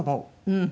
うん。